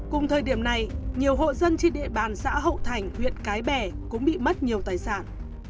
cùng thời điểm này nhiều hộ dân trên địa bàn xã hậu thành huyện cái bè cũng bị mất nhiều tài sản